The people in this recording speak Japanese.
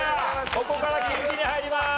ここから近畿に入ります。